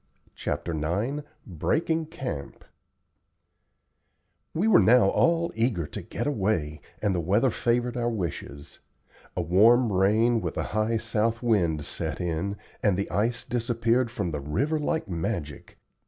CHAPTER IX "BREAKING CAMP" We were now all eager to get away, and the weather favored our wishes. A warm rain with a high south wind set in, and the ice disappeared from the river like magic.